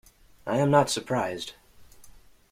I am not surprised.